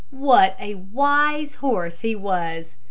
What a wise horse he was!